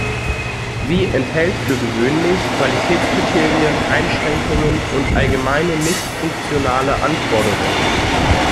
Sie enthält für gewöhnlich Qualitätskriterien, Einschränkungen und allgemeine nicht-funktionale Anforderungen.